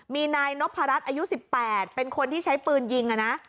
มีนายนพรัชอายุ๑๘เป็นคนที่ใช้ปืนยิง